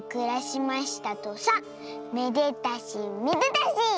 めでたしめでたし！」。